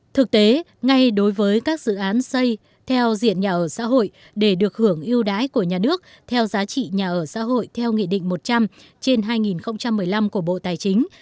thực tế ngay đối với các dự án xây theo diện nhà ở xã hội để được hưởng ưu đãi của nhà nước theo giá trị nhà ở xã hội theo nghị định một trăm linh trên hai nghìn một mươi năm của bộ tài chính